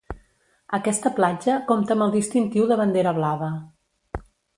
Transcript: Aquesta platja compta amb el distintiu de Bandera Blava.